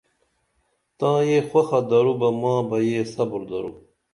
تاں یہ خوخہ درو بہ ماں بہ یہ صبُر درو